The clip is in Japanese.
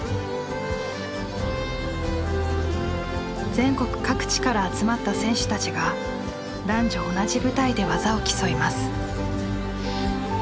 全国各地から集まった選手たちが男女同じ舞台で技を競います。